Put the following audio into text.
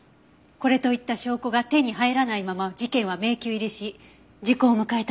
これといった証拠が手に入らないまま事件は迷宮入りし時効を迎えたそうよ。